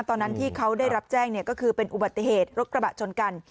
ตอนนั้นที่เขาได้รับแจ้งก็คือเป็นอุบัติเหตุรถกระบะชนกัน